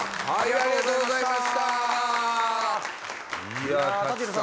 ありがとうございます。